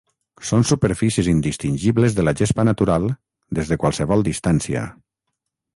Són superfícies indistingibles de la gespa natural des de qualsevol distància.